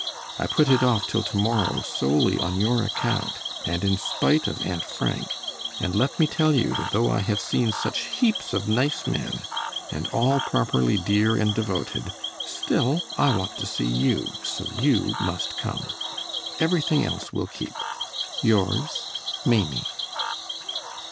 I put it off till to morrow solely on your account, and in spite of Aunt Frank, and let me tell you that though I have seen such heaps of nice men, and all properly dear and devoted, still I want to see you, so you must come. Everything else will keep. Yours, MAIMIE.